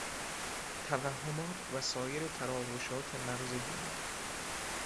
توهمات و سایر تراوشات مغز بیمار